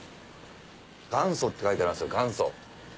元祖って書いてありますよ元祖。